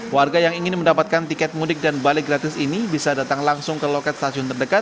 warga yang ingin mendapatkan tiket mudik dan balik gratis ini bisa datang langsung ke loket stasiun terdekat